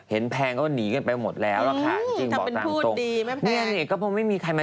เห็นแพงก็หนีกันไปหมดแล้วแหละค่ะ